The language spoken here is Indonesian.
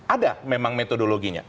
ada memang metodologinya